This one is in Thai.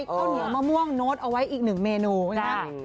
ข้าวเหนียวมะม่วงโน้ตเอาไว้อีกหนึ่งเมนูนะครับ